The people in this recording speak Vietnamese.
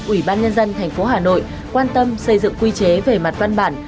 ủy ban nhân dân thành phố hà nội quan tâm xây dựng quy chế về mặt văn bản